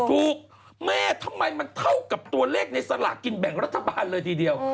แม่ทำไมมันเท่ากับตัวเลขในสละกินแบ่งรัฐบาลเลยทีเดียว